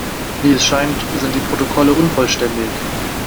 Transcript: Wie es scheint, sind die Protokolle unvollständig.